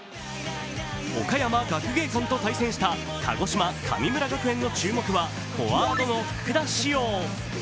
岡山学芸館と対戦した鹿児島・神村学園の注目は、フォワードの福田師王。